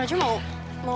hai dan kemungkinan besar